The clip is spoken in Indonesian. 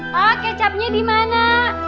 pak kecapnya dimana